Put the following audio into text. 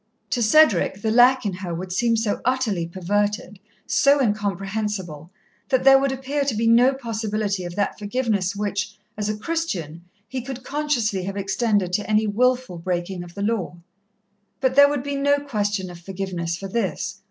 To Cedric, the lack in her would seem so utterly perverted, so incomprehensible, that there would appear to be no possibility of that forgiveness which, as a Christian, he could consciously have extended to any wilful breaking of the law. But there would be no question of forgiveness for this.